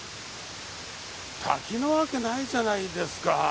滝なわけないじゃないですか。